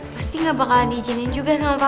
pasti gak bakalan diizinin juga sama papa kak